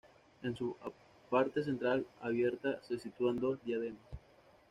En su parte central, abierta, se sitúan dos diademas.